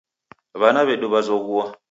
W'ana w'edu w'azoghua.